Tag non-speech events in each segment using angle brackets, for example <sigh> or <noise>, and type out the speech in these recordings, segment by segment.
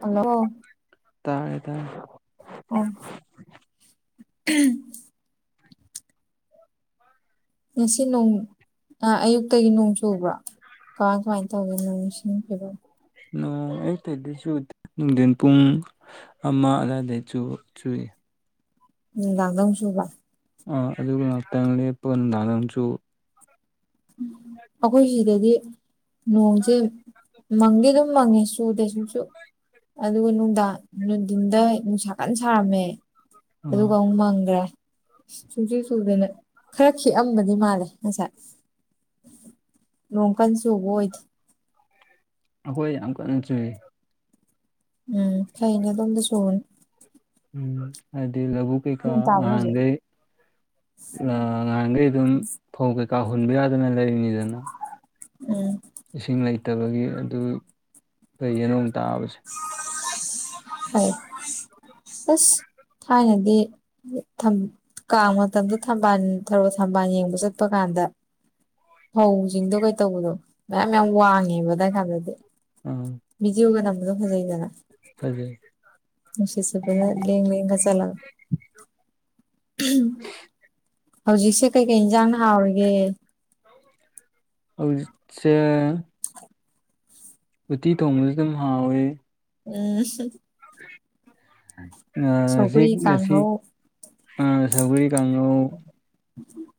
hello ꯇꯥꯔꯦ ꯇꯥꯔꯦ ꯑꯣ ꯉꯁꯤ ꯅꯣꯡ ꯑꯌꯨꯛꯇꯒꯤ ꯅꯣꯡ ꯆꯨꯕ꯭ꯔꯥ ꯀꯃꯥꯏ ꯀꯃꯥꯏꯅ ꯇꯧꯒꯦ ꯅꯣꯏ ꯅꯤꯡꯁꯤꯡꯕ ꯎ ꯑꯩ ꯇ ꯑꯗꯨꯁꯨꯅꯨꯡ ꯄꯨꯡ ꯑꯃ ꯑꯗꯥꯏꯗꯩꯩ ꯆꯨ ꯆꯨꯏ ꯅꯨꯡꯗꯥꯪ ꯗ ꯆꯨꯕ ꯑꯗꯨꯒ ꯉꯥꯛꯇꯪ ꯂꯦꯞꯄꯒ ꯅꯨꯡꯗꯥꯡꯗꯪꯁꯨ ꯑꯩꯈꯣꯏ ꯁꯤꯗꯗꯤ ꯅꯣꯡꯁꯦ ꯃꯪꯒꯤꯗꯨꯝ ꯃꯥꯒꯦ ꯁꯨꯗ ꯁ ꯑꯗꯨꯒ ꯅꯨꯡꯗꯥꯡ ꯅꯨꯡꯊꯤꯟꯗ ꯅꯨꯡꯁꯥ ꯀꯟ ꯁꯥꯔꯝꯃꯦ ꯑꯗꯨ ꯎꯝ ꯀꯃ꯭ꯔ ꯁꯨꯁꯨ ꯆꯨꯗꯅ ꯈꯔ ꯈꯤꯛꯑꯝꯕꯗꯤ ꯃꯥꯜꯂꯦ ꯉꯁꯥꯏ ꯣꯡ ꯀꯟ ꯆꯨꯕ ꯑꯣꯏꯈꯤꯦ ꯑꯩꯍꯣꯏ ꯌꯥꯝ ꯀꯟꯅ ꯆꯨꯏ ꯎꯝ ꯐꯩꯅꯦ ꯑꯗꯣꯝꯗ ꯁꯨꯔꯅꯤ ꯎꯝ ꯑꯗ ꯂ ꯀ ꯀ ꯅꯣꯡ ꯇꯥꯕ꯭ꯔ ꯍꯧꯖꯤꯛ ꯉꯍꯥꯡꯒ ꯑ ꯉꯍꯥꯡꯒ ꯑꯗꯨꯝ ꯐꯧ ꯀꯩꯀꯥ ꯍꯨꯟꯕ ꯌꯥꯗꯅ ꯂꯩꯔꯤꯅꯤꯗꯅ ꯎꯝ ꯏꯁꯤꯡ ꯂꯩꯇꯕꯒꯤ ꯑꯗꯨ ꯐꯩꯌꯦ ꯅꫭꯡ ꯇꯥꯕꯁꯦ ꯍ <unintelligible> ꯐꯩ ꯑꯁ ꯊꯥꯏꯅꯗꯤ ꯊꯝ ꯀꯥꯡ ꯃꯇꯝꯗ ꯊꯝꯕꯥꯜ ꯊꯔꫭ ꯊꯝꯕꯥꯜ ꯌꯦꯡꯕ ꯆꯠꯄ ꯀꯥꯟꯗ ꯐꯧꯁꯤꯡꯗꯣ ꯀꯩ ꯇꯧꯕꯗꯣ ꯃꯌꯥꯝ ꯃꯌꯥꯝ ꯋꯥꯡꯉꯦꯕ ꯑꯗꯥꯏꯀꯥꯟꯗꯗꯤ ꯑ ꯕꯤꯗꯤꯌꫭꯒ ꯅꯝꯕꯗꯨ ꯐꯖꯩꯗꯅ ꯐꯖꯩ ꯅꯨꯡꯁꯤꯠ ꯁꯤꯠꯄꯅ ꯂꯦꯡ ꯂꯦꯡꯒ ꯆꯠꯂꯒ ꯍꯧꯖꯤꯛꯁꯦ ꯀꯩꯀꯩ ꯏꯟꯖꯥꯡꯅ ꯍꯥꯎꯔꯤꯒꯦ <inaudible> ꯍꯧꯖꯤꯛꯁꯦ ꯎꯠꯇꯤ ꯊꯣꯡꯕꯖꯤꯗꯨꯝ ꯍꯥꯎꯋꯤ ꯎꯝ ꯑ ꯍꯧꯖꯤꯛ ꯁꯧꯒ꯭ꯔꯤ ꯉꯁꯤ ꯀꯥꯡꯍꯧ ꯑ ꯁꯧꯒꯔꯤ ꯀꯥꯡꯉꯧ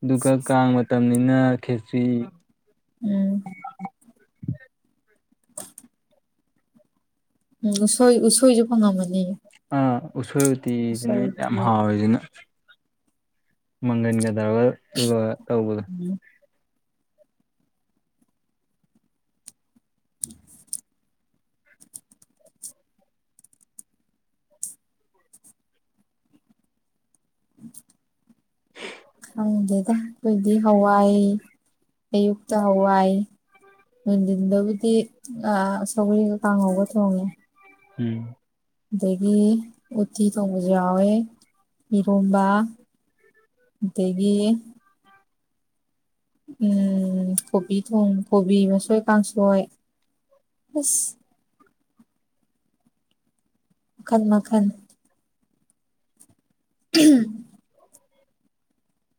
ꯑꯗꯨꯒ ꯀꯥꯡ ꯃꯇꯝꯅꯤꯅ ꯈꯦꯆꯤ ꯎꯝ <unintelligible> ꯎꯝ ꯎꯁꯣꯏ ꯎꯁꯣꯏꯁꯨ ꯐꯪꯉꯝꯃꯅꯤꯌꯦ ꯑꯥ ꯎꯁꯣꯏ ꯎꯇꯤꯖꯤꯅꯦ ꯌꯥꯝ ꯍꯥꯎꯔꯤꯖꯤꯅ ꯃꯪꯒꯟꯒ ꯇꯧꯔꯒ ꯂꫭꯏ ꯇꯧꯕꯗꯣ ꯎꯝ <unintelligible> ꯎꯝ <unintelligible> ꯈꯪꯗꯦꯗ ꯑꯩꯈꯣꯏꯗꯤ ꯍꯋꯥꯏ ꯑꯌꯨꯛꯇ ꯍꯋꯥꯏ ꯅꯨꯡꯗꯤꯟꯗꯕꯨꯗꯤ ꯑꯥ ꯁꯧꯒꯔꯤꯒ ꯀꯥꯡꯍꯧꯒ ꯊꯣꯡꯉꯦ ꯎꯝ ꯑꯗꯒꯤ ꯎꯠꯇꯤ ꯊꯣꯡꯕꯖꯨ ꯌꯥꯎꯋꯦ ꯏꯔꯣꯝꯕ ꯑꯗꯒꯤ ꯎꯝ ꯀꯣꯕꯤ ꯊꯣꯡ ꯀꯣꯕꯤ ꯃꯁꯣꯏ ꯀꯥꯡꯁꯣꯏ ꯑꯁ ꯃꯈꯟ ꯃꯈꯟ ꯎꯝ <unintelligible>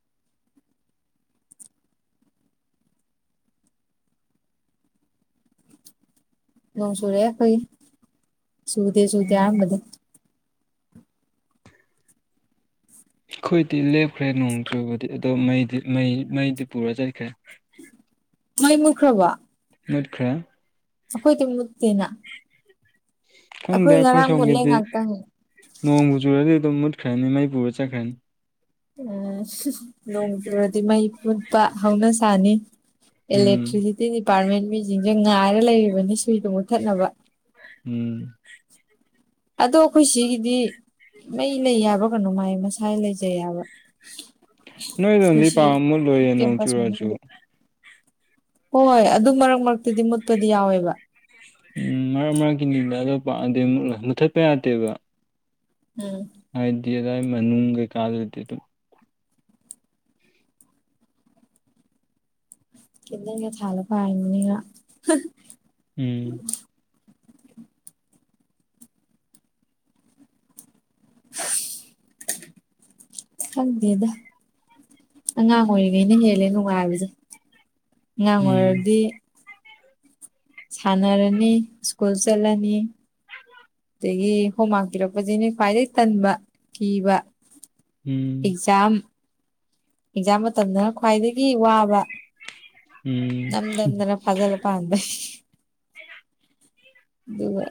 ꯅꯣꯡ ꯁꯨꯔꯛꯑꯦ ꯑꯩꯈꯣꯏꯒꯤ ꯆꯨꯗꯦ ꯆꯨꯗꯦ ꯍꯥꯏꯔꯝꯕꯗꯩ ꯑꯩꯈꯣꯏꯗꯤ ꯂꯦꯞꯈ꯭ꯔꯦ ꯅꯣꯡ ꯆꯨꯕꯗꯤ ꯑꯗꯣ ꯃꯩꯗꯤ ꯃꯩ ꯃꯩꯗꯤ ꯄꯨꯔ ꯆꯠꯈ꯭ꯔꯦ ꯃꯩ ꯃꯨꯠꯈ꯭ꯔꯕꫭ ꯃꯨꯠꯈ꯭ꯔꯦ ꯑꯩꯈꯣꯏꯗꯤꯃꯨꯛꯇꯦꯅ ꯈꯪꯗꯦ ꯑꯩꯈꯣꯏ ꯉꯔꯥꯡ ꯃꯨꯠꯂꯦ ꯁꯣꯝꯒꯤꯗꯤ ꯉꯥꯛꯇꯪ ꯅꯣꯡꯕꯨ ꯆꯨꯔꯗꯤ ꯑꯗꯨꯝ ꯃꯨꯠꯈ꯭ꯔꯅꯤ ꯃꯩ ꯄꯨꯔ ꯆꯠꯈ꯭ꯔꯅꯤ ꯎꯝ ꯅꯣꯡ ꯆꯨꯔꯗꯤ ꯃꯩ ꯃꯨꯠꯄ ꯍꯧꯅꯁꯥꯅꯤ ꯎꯝ ꯑꯦꯂꯦꯛꯇ꯭ꯔꯤꯁꯤꯇꯤ ꯗꯤꯄꯥꯔꯠꯃꯦꯟ ꯃꯤꯖꯤꯡꯖꯦ ꯉꯥꯏꯔ ꯂꯩꯔꯤꯕꯅꯤ ꯁꯨꯏꯗꫭ ꯃꯨꯠꯊꯠꯅꯕ ꯎꯝ ꯑꯗꯣ ꯑꯩꯈꯣꯏ ꯁꯤꯒꯤꯗꯤ ꯃꯩ ꯂꯩ ꯍꯥꯏꯕꯔ ꯀꯩꯅꯣꯝ ꯍꯥꯏ ꯃꯁꯥꯏ ꯂꯩꯖꯩ ꯍꯥꯏꯕ ꯅꯣꯏ ꯑꯩꯈꯣꯏ ꯔꫭꯝꯗꯤ ꯁꯤ ꯄꯥꯛ ꯃꯨꯠꯂꯣꯏꯌꯦ ꯅꯣꯡ ꯀꯦꯝꯄꯁ ꯆꯨꯔꯁꯨ ꯃꯅꯨꯡꯒꯤ ꯍꯣꯏ ꯑꯗꯨꯝ ꯃꯔꯛ ꯃꯔꯛꯇꯗꯤ ꯃꯨꯠꯄꯗꯤ ꯌꯥꯎꯋꯦꯕ ꯎꯝ ꯃꯔꯛ ꯃꯔꯛꯀꯤ ꯂꯤꯡꯅꯗꫭ ꯄꯥꯟꯗꯦ ꯃꯨ ꯃꯨꯊꯠꯄ ꯌꯥꯗꯦꯕ ꯎꯝ ꯍꯥꯏꯗꯤ ꯑꯗꯥꯏ ꯃꯅꯨꯡ ꯀꯩꯀꯥꯗꯨꯗꯤꯗꯨꯝ ꯀꯦꯟꯗꯜꯒ ꯊꯥꯜꯂ ꯄꯥꯍꯟꯅꯤꯡꯉꯤꯔꫭ ꯎꯝ ꯈꯪꯗꯦꯗ ꯑꯉꯥꯡ ꯑꯣꯏꯔꯤꯉꯩꯩꯅ ꯍꯦꯜꯂꯦ ꯅꯨꯡꯉꯥꯏꯕꯁꯦ ꯑꯉꯥꯡ ꯎꯝ ꯑꯣꯏꯔꯗꯤ ꯁꯥꯟꯅꯔꯅꯤ ꯁ꯭ꯀꯨꯜ ꯆꯠꯂꯅꯤ ꯗꯒꯤ ꯍꯣꯝꯋꯥꯛ ꯄꯤꯔꯛꯄꯁꯤꯅꯦ ꯈ꯭ꯋꯥꯏꯗꯩ ꯇꯟꯕ ꯀꯤꯕ ꯎꯝ ꯑꯦꯛꯖꯥꯝ ꯑꯦꯛꯖꯥꯝ ꯃꯇꯝꯗꯅ ꯈ꯭ꯋꯥꯏꯗꯒꯤ ꯋꯥꯕ ꯎꯝ ꯅꯝꯗꯝꯗꯅ ꯐꯥꯖꯜꯂ ꯄꯥꯍꯟꯕꯩ ꯗꯨꯒ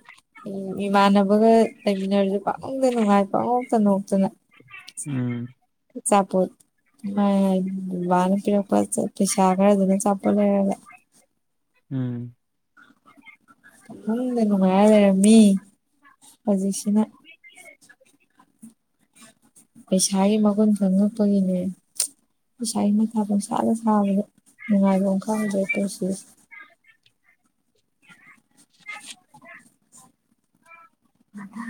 ꯎꯝ ꯏꯃꯥꯟꯅꯕꯒ ꯂꯩꯃꯤꯟꯅꯔꯁꯨ ꯄꯥꯛꯅꯨꯡꯗ ꯅꯨꯡꯉꯥꯏ ꯄꯥꯥꯛꯅꯣꯛꯇ ꯅꯣꯛꯇꯅ ꯎꯝ ꯑꯆꯥꯄꯣꯠ <unintelligible> ꯋꯥꯅꯥ ꯄꯤꯔꯛꯄ ꯆꯠ ꯄꯩꯁꯥ ꯈꯔꯗꯨꯅ ꯆꯄ ꯇꯜꯂꯦ ꯍꯥꯏꯕꯥ ꯎꯝ ꯃꯪꯗꯥ ꯅꯨꯉꯥꯏꯔ ꯂꯩꯔꯝꯃꯦ ꯍꯧꯖꯤꯛꯁꯤꯅ <inaudible> ꯄꯩꯁꯥꯒꯤ ꯃꯒꯨꯟ ꯆꯪꯉꯛꯄꯒꯤꯅꯦ ꯄꯩꯁꯥꯒꯤ ꯃꯇꯥ ꯄꯪꯁꯥꯗ ꯁꯥꯕꯗ ꯅꯨꯡꯉꯥꯏꯕꯝ ꯈꯪꯗꯔꯦ ꯄꯨꯟꯁꯤꯁ ꯃꯊꯥ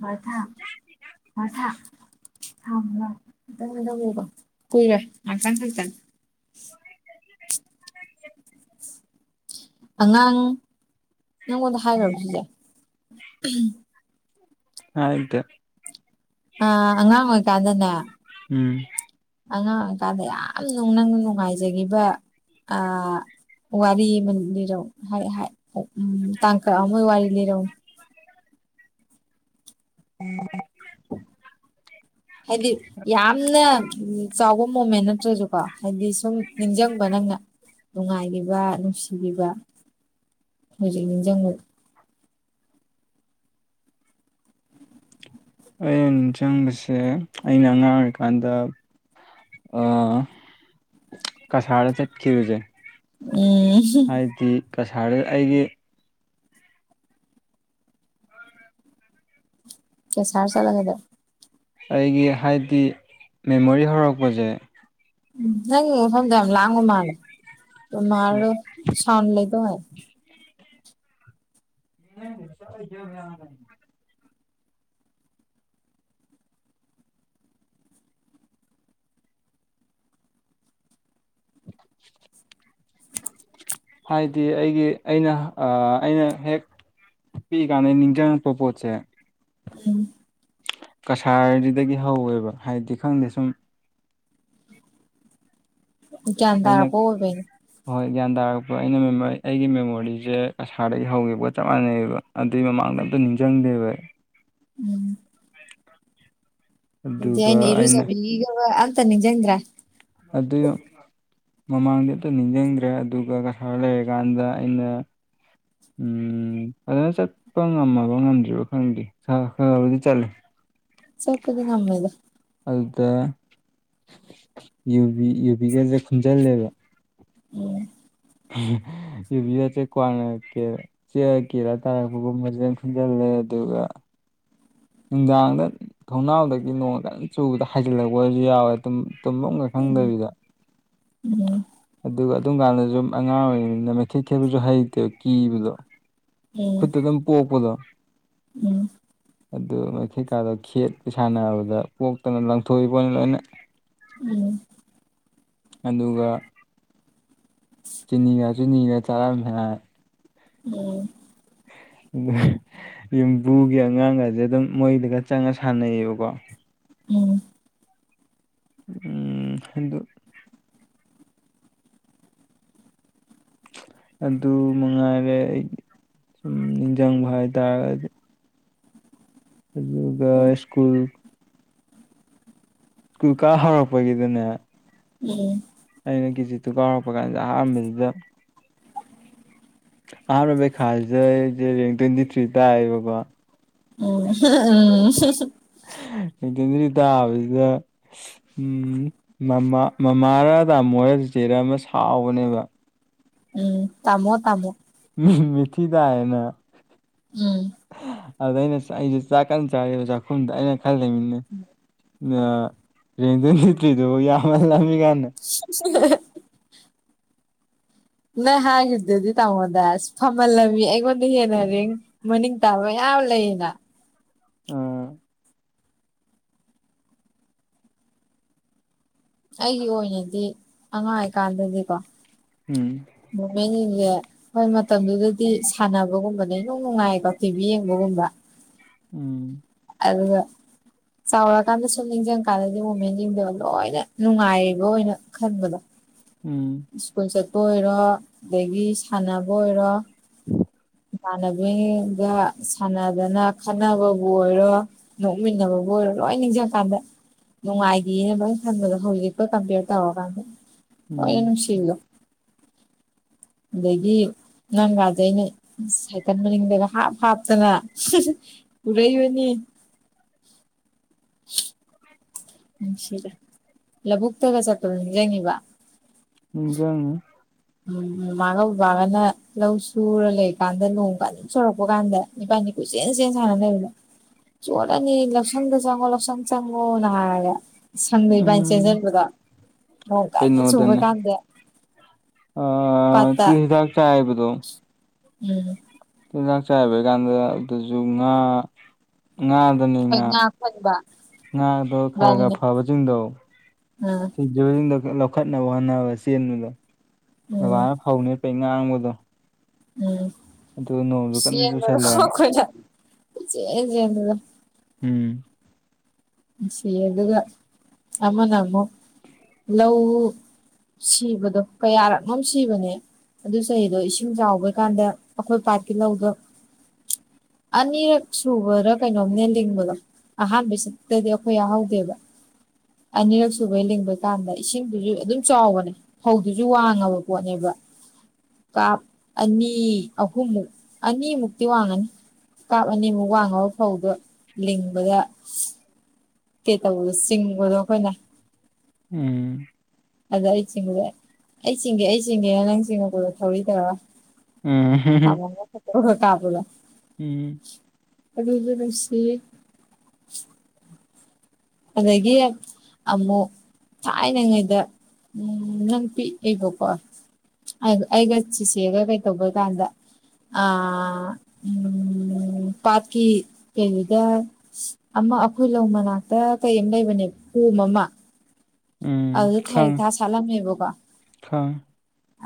ꯃꯥꯔꯊꯥ ꯃꯥꯔꯊꯥ ꯊꯝꯃꯣ <unintelligible> ꯀꯨꯏꯔꯣꯏ ꯉꯥꯛꯇꯪ ꯈꯛꯇꯪ <inaudible> ꯅꯪ ꯅꯪꯉꯣꯟꯗ ꯍꯥꯏꯈꯔꯕ ꯁꯤꯁꯦ ꯍꯥꯢꯗꯦ ꯑ ꯑꯉꯥꯡ ꯑꯣꯏꯀꯥꯟꯗꯅꯦ ꯎꯝ ꯑꯉꯥꯡ ꯑꯣꯏꯀꯥꯟꯗ ꯌꯥꯝ ꯅꯨꯡ ꯅꯪ ꯅꯨꯡꯉꯥꯏꯖꯒꯤꯕ ꯑ ꯋꯥꯔꯤ ꯑꯃ ꯂꯤꯔꯧ ꯍꯥꯏ ꯍꯥꯏ ꯎꯃꯜ ꯇꯥꯡꯀꯛ ꯑꯃ ꯋꯥꯔꯤ ꯂꯤꯔꯧꯅꯦ <inaudible> ꯍꯥꯏꯗꯤ ꯌꯥꯝꯅ ꯆꯥꯎꯕ ꯃꯣꯃꯦꯟ ꯅꯠꯇ꯭ꯔꯁꯨꯀꯣ ꯍꯥꯏꯗꯤ ꯁꯨꯝ ꯅꯤꯡꯁꯪꯕꯥ ꯅꯪꯅ ꯅꯨꯡꯉꯥꯏꯒꯤꯕ ꯅꯨꯡꯁꯤꯕꯤꯕ ꯍꯨꯖꯤꯛ ꯅꯤꯡꯖꯪ ꯑꯩꯅ ꯅꯤꯡꯆꯪꯕꯁꯦ ꯑꯩꯅ ꯑꯉꯥꯡ ꯑꯣꯏꯔꯤꯀꯥꯟꯗ ꯑ ꯀꯁꯥꯔꯗ ꯆꯠꯈꯤꯕꯖꯦ ꯎꯝ ꯍꯥꯏꯗꯤ ꯀꯁꯥꯔꯒ ꯑꯩꯒꯤ ꯀꯁꯥꯔ ꯆꯠꯂꯒꯗ ꯑꯩꯒꯤ ꯍꯥꯏꯗꯤ ꯃꯦꯃꯣꯔꯤ ꯍꯧꯔꯛꯄꯁꯦ ꯅꯪ ꯃꯐꯝꯗꯨ ꯌꯥꯝ ꯂꯥꯡꯕ ꯃꯥꯜꯂꯦ ꯃꯥꯜꯂꯣ ꯁꯥꯎꯟ ꯂꯩꯗꯧ ꯍꯥꯏ <unintelligible> <inaudible> ꯍꯥꯏꯗꯤ ꯑꯩꯒꯤ ꯑꯩꯅ ꯑꯩꯅ ꯍꯦꯛ ꯄꯤꯛꯏ ꯀꯥꯟꯗꯩ ꯅꯤꯡꯆꯪꯉꯛꯄ ꯄꯣꯠꯁꯦ ꯎꯝ ꯀꯥꯁꯔ ꯁꯤꯗꯒꯤ ꯍꯧꯋꯦꯕ ꯍꯥꯏꯗꯦ ꯈꯪꯗꯦ ꯁꯨꯝ ꯒꯌ꯭ꯥꯟ ꯑꯩꯅ ꯇꯔꯛꯄ ꯑꯣꯏꯕꯩꯅꯤ ꯍꯣꯏ ꯒ꯭ꯌꯥꯟ ꯇꯥꯔꯛꯄ ꯑꯩꯅ ꯃꯦꯃꯣꯔꯤ ꯑꯩꯒꯤ ꯃꯦꯃꯣꯔꯤꯁꯦ ꯀꯁꯥꯔꯗꯒꯤ ꯍꯧꯈꯤꯕꯒ ꯆꯞ ꯃꯥꯟꯅꯩꯌꯦꯕ ꯑꯗꯨꯏ ꯃꯃꯥꯡꯗ ꯑꯝꯇ ꯅꯤꯡꯖꯪꯗꯦꯕ ꯑꯩ ꯎꯝ <inaudible> ꯑꯗꯩ ꯑꯩꯅ ꯏꯔꯨꯖꯥꯕꯒꯤꯒ ꯋꯥ ꯑꯝꯇꯥ ꯅꯤꯡꯖꯪꯗꯔ꯭ꯦ ꯑꯗꯨꯏ ꯃꯃꯥꯡꯗꯤ ꯑꯝꯇ ꯅꯤꯡꯖꯪꯗ꯭ꯔꯦ ꯑꯗꯨꯒ ꯀꯁꯥꯔ ꯂꯩꯔꯤꯀꯥꯟꯗ ꯑꯩꯅ ꯎꯝ ꯐꯖꯥꯅ ꯆꯠꯄ ꯉꯝꯃꯕ ꯉꯝꯗ꯭ꯔꯤꯕ ꯈꯪꯗꯦ <unintelligible> ꯈꯔꯕꯨꯗꯤ ꯆꯠꯂꯤ ꯆꯠꯄꯗꯤ ꯉꯝꯃꯦꯗ ꯑꯗꯥ ꯌꯨꯕꯤ ꯌꯨꯕꯤꯒꯁꯦ ꯈꯨꯟꯖꯟꯅꯔꯦ ꯎꯝ ꯏꯚꯕꯤꯔ ꯆꯦ ꯀꯣꯟꯅ ꯀꯦ ꯆꯦ ꯀꯦꯔꯥ ꯇꯥꯔꯛꯄꯒꯨꯝꯕꯖꯅ ꯈꯟꯖꯤꯜꯂꯦ ꯑꯗꯨꯒ ꯅꯨꯡꯗꯥꯡꯗ ꯊꯣꯡꯅꯥꯎꯗꯒꯤ ꯅꯣꯡꯗ ꯑꯗꯨꯝ ꯆꯨꯕꯗ ꯍꯥꯏꯩꯖꯤꯜꯂꯛꯄ ꯁꯨ ꯌꯥꯎꯋꯦ ꯇꯨꯝꯐꯝꯒ ꯎꯝ ꯈꯪꯗꯕꯤꯗ ꯎꯝ ꯑꯗꯨꯒ ꯑꯗꯨꯝ ꯀꯥꯟꯗꯁꯨ ꯑꯉꯥꯡ ꯑꯣꯏꯔꯤꯉꯅꯤꯅ ꯃꯩ ꯈꯦꯠ ꯈꯦꯠꯄꯁꯨ ꯍꯩꯇꯦ ꯀꯤꯕꯗꯣ ꯈꯨꯠꯇ ꯑꯗꯨꯝ ꯄꯣꯛꯄꯗꯣ ꯎꯝ ꯑꯗꯨ ꯃꯩꯀꯥꯗꯣ ꯈꯦꯠꯄ ꯁꯥꯟꯅꯕꯗ ꯄꯣꯛꯇꯅ ꯂꯪꯊꯣꯛꯏꯕꯣꯅꯤ ꯂꯣꯏꯅ ꯎꯝ ꯑꯗꯨꯒ ꯆꯤꯅꯤꯒ ꯆꯤꯅꯤꯒ ꯆꯥꯔꯝꯃꯦ ꯍꯥ ꯎꯝ ꯑ ꯌꯨꯝꯕꯨꯒꯤ ꯑꯉꯥꯡꯒꯁꯦ ꯑꯗꯨꯝ ꯃꯣꯏꯗꯒ ꯆꯪꯉ ꯁꯥꯟꯅꯩꯌꯦꯕꯀꯣ ꯎꯝ ꯎꯝ ꯎꯝ ꯎꯝ ꯍꯗꯨ ꯑꯗꯨ ꯃꯉꯥꯏꯔꯦ ꯑꯩ ꯁꯨꯝ ꯅꯤꯡꯁꯤꯡꯕ ꯍꯥꯏꯇꯥꯔꯒꯗꯤ ꯑꯗꯨꯒ ꯁ꯭ꯀꯨꯜ ꯁ꯭ꯀꯨꯜ ꯀꯥ ꯍꯧꯔꯛꯄꯒꯤꯗꯅꯦ ꯎꯝ ꯑꯩꯅ ꯀꯤꯖꯤ ꯇꯨ ꯀꯥ ꯍꯧꯔꯛꯄ ꯀꯥꯟꯗ ꯑꯍꯥꯟꯕꯗꯨꯗ ꯑꯍꯥꯟꯕ ꯄꯩꯈꯥꯁꯤꯗꯩ ꯑꯩꯁꯦ ꯔꯦꯡ ꯇ꯭ꯋꯦꯟꯇꯤ ꯊ꯭ꯔꯤ ꯇꯥꯏꯑꯌꯦꯕꯀꯣ ꯑꯣ ꯎꯝ ꯑꯣ ꯎꯝ ꯀꯦꯟꯗ꯭ꯔꯔꯤꯗ ꯍꯧꯕꯁꯤꯗ ꯎꯝ ꯃꯥ ꯃꯃꯥꯔ ꯏꯥꯃꯣꯔ ꯆꯦꯆꯦꯔ ꯑꯃ ꯁꯥꯎꯕꯅꯦꯕ ꯎ ꯇꯥꯃꯣ ꯇꯥꯃꯣ ꯎꯝ ꯃꯤꯊꯤꯏ ꯇꯥꯏꯅꯦꯅ ꯎꯝ ꯑꯗ ꯑꯩꯅ ꯑꯩꯁꯦ ꯆꯥꯛ ꯀꯟꯅ ꯆꯥꯔꯤ ꯆꯥꯛꯈꯨꯝꯗ ꯑꯩꯅ ꯈꯜꯂꯤꯃꯤꯅꯤ ꯑꯗꯨꯒ ꯔꯦꯟꯗ ꯅꯨꯃꯤꯠ ꯀꯤꯗꯣ ꯌꯥꯝꯅꯂꯝꯃꯤꯀꯟꯗ ꯍꯦ ꯅꯪ ꯍꯥꯏꯈꯤꯕꯗꯨꯗꯤ ꯇꯥꯃꯣꯗ ꯐꯝꯍꯜꯂꯝꯃꯤ ꯑꯩꯉꯣꯟꯗ ꯍꯦꯟꯅ ꯔꯦꯡ ꯃꯅꯤꯡ ꯇꯥꯕ ꯃꯌꯥꯎ ꯂꯩ ꯌꯦꯅ ꯑꯥꯥ ꯑꯩꯒꯤ ꯑꯣꯏꯅꯗꯤ ꯑꯉꯥꯡ ꯑꯣꯏꯀꯥꯟꯗꯗꯤꯀꯣ ꯎꯝ ꯃꯣꯃꯦꯟꯁꯤꯡꯁꯦ ꯍꯣꯏ ꯃꯇꯝꯗꯨꯗꯗꯤ ꯁꯥꯟꯅꯕꯒꯨꯝꯕ ꯑ ꯅꯅꯨꯡ ꯅꯨꯡꯉꯥꯏꯌꯦꯀꯣ ꯊꯤꯚꯤ ꯌꯦꯡꯕꯒꯨꯝꯕ ꯎꯝ ꯑꯗꯨꯒ ꯆꯥꯎꯔꯀꯥꯟꯗ ꯁꯨꯝ ꯅꯤꯡꯁꯤꯡ ꯀꯥꯟꯗꯗꯤ ꯃꯣꯃꯦꯟꯁꯤꯡꯗꯣ ꯂꯣꯏꯅ ꯅꯨꯡꯉꯥꯏꯕ ꯑꯣꯏꯅ ꯈꯟꯗꯕ ꯎꯝ ꯁ꯭ꯀꯨꯜ ꯆꯠꯄ ꯑꯣꯏꯔꯣ ꯑꯗꯒꯤ ꯁꯥꯟꯅꯕ ꯑꯣꯏꯔꯣ ꯎꯝ ꯏꯃꯥꯟꯅꯕꯤꯒ ꯁꯥꯟꯅꯗꯅ ꯈꯠꯅꯕꯕꯨ ꯑꯣꯏꯔꯣ ꯅꯣꯛꯃꯤꯟꯅꯕꯕꯨ ꯑꯣꯏꯔꯣ ꯂꯣꯏ ꯅꯤꯡꯁꯤꯡ ꯀꯥꯟꯗ ꯅꯨꯡꯉꯥꯏꯈꯤꯅ ꯂꯣꯏ ꯈꯟꯕꯗꯣ ꯍꯧꯖꯤꯛꯀꯣ ꯀꯝꯄꯦꯌꯔ ꯇꯧꯔꯀꯥꯟꯗ ꯂꯣꯏꯅ ꯎꯝ ꯅꯨꯡꯁꯤꯕꯤꯗꯣ ꯑꯗꯒꯤ ꯅꯪꯒꯥꯥꯁꯦ ꯑꯩꯅ ꯁꯥꯏꯀꯜ ꯃꯅꯤꯡꯗꯒ ꯍꯥꯞ ꯍꯥꯞꯇꯅ ꯄꯨꯔꯛꯏꯕꯅꯤ ꯅꯨꯡꯁꯤꯗ ꯂꯧꯕꯨꯛꯇꯒ ꯆꯠꯄ ꯅꯤꯡꯖꯉꯤꯕ ꯅꯤꯡꯖꯪꯏ ꯎꯝ ꯃꯥꯒ ꯕꯕꯥꯒꯅ ꯂꯧ ꯁꯨꯔ ꯂꯩꯀꯥꯟꯗ ꯂꯣꯡ ꯀꯥꯟꯗ ꯑꯗꯨꯝ ꯁꯣꯔꯛꯄ ꯀꯥꯟꯗ ꯏꯕꯅꯤ ꯀꯣꯏꯆꯦꯟ ꯁꯅ ꯂꯩꯕꯗꯣ ꯆꯣꯠꯂꯅꯤ ꯂꯧꯁꯪꯗ ꯆꯪꯉꯣ ꯂꯧꯁꯪ ꯆꯪꯉꯣꯅ ꯍꯥꯏꯔꯒ ꯁꯪꯗ ꯏꯕꯥꯥꯏꯅ ꯎꯝ ꯆꯦꯟꯁꯤꯟꯕꯗ ꯅꯣꯡ ꯀꯥꯏꯗ ꯆꯨꯕ ꯀꯥꯟꯗ ꯑ ꯄꯇꯥ ꯎꯝ ꯑꯗꯨꯨꯗꯥꯛ ꯆꯥꯏꯕꯩ ꯀꯥꯟꯗ ꯑꯗꯨꯗꯁꯨ ꯉꯥ ꯉꯥꯗꯅꯤ ꯑꯩꯈꯣꯏ ꯉꯥ ꯐꯪꯕ ꯉꯥꯗꯣ ꯈꯔ ꯈꯔ ꯏꯕꯥꯅꯤꯅ ꯐꯕꯁꯤꯡꯗꯣ ꯎꯝ ꯏꯁꯤꯡꯗ ꯂꯧꯈꯠꯅꯕ ꯍꯣꯠꯅꯕ ꯆꯦꯟꯕꯗ ꯎꯝ ꯕꯕꯥꯅ ꯐꯧꯅꯦꯄꯩ ꯉꯥꯡꯕꯗꯣ ꯎꯝ ꯑꯗꯨ ꯅꯣꯡꯁꯨ ꯀꯟꯅ ꯆꯦꯟꯒꯔꯣ ꯆꯨꯁꯜꯂꯛꯑꯦ ꯊꯣꯏ ꯆꯦꯟ ꯆꯦꯟꯕꯗꯣ ꯎꯝ ꯁꯤ ꯑꯗꯨꯒ ꯑꯃꯅ ꯑꯃꯣ ꯂꯧ ꯁꯤꯕꯗꯣ ꯀꯌꯥꯔꯛꯅꯣ ꯁꯤꯕꯅꯦ ꯑꯗꯨ ꯆꯍꯤꯗꯣ ꯏꯁꯤꯡ ꯆꯥꯎꯕꯩ ꯀꯥꯟꯗ ꯑꯩꯈꯣꯏ ꯄꯥꯠꯀꯤ ꯂꯧꯗꯣ ꯑꯅꯤꯔꯛ ꯁꯨꯕꯔꯥ ꯀꯩꯅꯣꯝꯅꯦ ꯂꯤꯡꯕꯗꯣ ꯑꯍꯥꯟꯕꯁꯤ ꯇꯗꯤ ꯑꯩꯈꯣꯏ ꯌꯥꯎꯍꯧꯗꯦꯕ ꯑꯅꯤꯔꯛ ꯁꯨꯕꯩ ꯂꯤꯡꯕ ꯀꯥꯟꯗ ꯏꯁꯤꯡꯗꯨꯁꯨ ꯑꯗꯨꯝ ꯆꯥꯎꯕꯅꯦ ꯍꯧꯗꯨꯁꯨ ꯋꯥꯡꯉꯕ ꯄꯣꯠꯅꯦꯕ ꯀꯥꯞ ꯑꯅꯤ ꯑꯍꯨꯝꯃꯨꯛ ꯑꯅꯤꯃꯨꯛꯇꯤ ꯋꯥꯡꯉꯅꯤ ꯀꯥꯞꯑꯅꯤ ꯑꯃꯨꯛ ꯋꯥꯡꯉꯕ ꯐꯧꯗꯣ ꯂꯤꯡꯕꯗ ꯀꯩ ꯇꯧꯕꯗꯣ ꯆꯤꯡꯕꯗꯣ ꯑꯩꯈꯣꯏꯅ ꯎꯝ ꯑꯗ ꯑꯩ ꯆꯤꯡꯕꯗ ꯑꯩ ꯆꯤꯡꯒꯦ ꯑꯩ ꯆꯤꯡꯒꯦꯅ ꯅꯪ ꯆꯤꯡꯉꯛꯄꯗ ꯊꯧꯔꯤ ꯇꯧꯔ ꯎꯝ ꯑ ꯀꯥꯄꯂ <unintelligible> ꯎꯝ ꯑꯗꯨꯕ ꯔꯁꯤ ꯑꯗꯒꯤ ꯑꯃꯨꯛ ꯊꯥꯏꯅꯉꯩꯗ ꯎ ꯅꯪ ꯄꯤꯛꯑꯦꯕꯀꯣ ꯑꯩ ꯑꯩꯒꯠ ꯆꯤꯆꯦꯒ ꯀꯩ ꯇꯧꯕ ꯀꯥꯟꯗ ꯑ ꯎꯝ ꯄꯠꯀꯤ ꯀꯩꯗ ꯑꯃ ꯑꯩꯈꯣꯏ ꯂꯧ ꯃꯅꯥꯛꯇ ꯀꯩ ꯑꯃ ꯂꯩꯕꯅꯦꯕ ꯀꯣꯝ ꯑꯃ ꯎꯝ ꯑꯗꯨꯗ ꯈꯪꯉꯦ ꯊꯔꯤꯛꯊ ꯁꯥꯠꯂꯝꯃꯦꯕꯀꯣ ꯈꯪꯉꯦ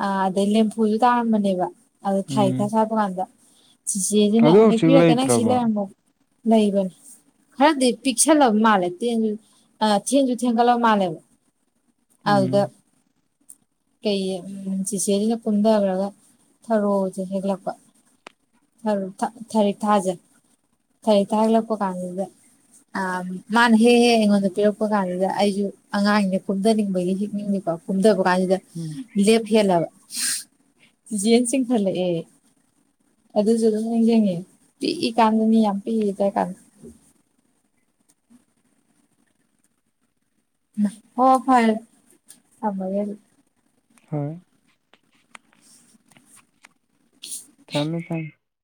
ꯑ ꯑꯗꯩ ꯂꯦꯝꯐꯨꯁꯨ ꯇꯥꯔꯝꯕꯅꯦꯕ ꯑꯗ ꯊꯥꯏ ꯎꯝ ꯊꯥ ꯁꯥꯥꯕ ꯀꯥꯟꯗ ꯁꯤꯆꯦꯁꯤꯅ ꯑꯗꯨ ꯍꯧꯖꯤꯛ ꯍꯦꯛꯄꯤꯔꯛꯀꯦ ꯅꯪ ꯁꯤ ꯂꯩꯇ꯭ꯔꯕꯣ ꯂꯩꯔꯝꯝꯕꯧ ꯂꯩꯕꯅꯦ ꯈꯔꯗꯤ ꯄꯤꯛꯁꯜꯂꯕ ꯃꯥꯜꯂꯦꯟꯁꯨ ꯊꯦꯟꯁꯨ ꯊꯦꯡꯒꯠꯂꯕ ꯃꯥꯜꯂꯦꯕ ꯑꯗ ꯎꯝ ꯀꯩ ꯎ ꯆꯦꯔꯤꯅ ꯄꯨꯟꯗꯑꯒ ꯊꯔꯣꯁꯦ ꯍꯦꯛꯂꯛꯄ ꯊ ꯊꯔꯤꯛ ꯊꯥꯁꯦ ꯊꯔꯤꯛꯊ ꯍꯦꯛꯂꯛꯄ ꯀꯥꯟꯗ ꯑ ꯃꯥꯅ ꯍꯦꯛ ꯍꯦꯛ ꯑꯩꯉꯣꯟꯗ ꯄꯤꯔꯛꯄ ꯀꯥꯟꯁꯤꯗ ꯑꯩꯁꯨ ꯑꯉꯥꯡꯅꯦ ꯀꯨꯝꯊꯅꯤꯡꯕꯒꯤ ꯍꯦꯛꯅꯤꯡꯉꯀꯣ ꯀꯨꯝꯊꯕ ꯀꯥꯟꯁꯤꯗ ꯎꯝ ꯂꯦꯞꯍꯦꯜꯂꯕ ꯆꯤꯆꯦꯅ ꯆꯤꯡꯈꯠꯂꯛ ꯑꯦ ꯑꯗꯨꯁꯨ ꯑꯗꯨꯝ ꯅꯤꯡꯁꯤꯡꯉꯤꯦ ꯄꯤꯛꯏ ꯀꯥꯟꯗꯅꯤ ꯌꯥꯝ ꯄꯤꯛꯏꯏ ꯀꯥꯟꯗ ꯍ ꯐꯦ ꯍꯣꯏ ꯊꯝꯃꯦ ꯊꯝ